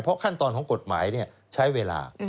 ขั้นตอนของกฎหมายใช้เวลา